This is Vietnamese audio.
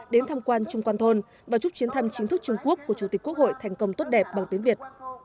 đến tham quan trung quan thôn và chúc chuyến thăm chính thức trung quốc của chủ tịch quốc hội thành công tốt đẹp bằng tiếng việt